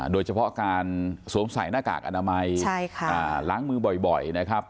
โดยเฉพาะการสวมใส่หน้ากากอนามัยล้างมือบ่อยนะครับ